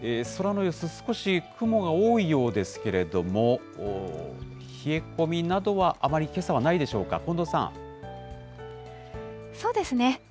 空の様子、少し雲が多いようですけれども、冷え込みなどは、あまりけさはないでしょうか。